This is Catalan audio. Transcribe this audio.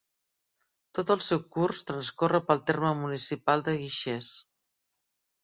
Tot el seu curs transcorre pel terme municipal de Guixers.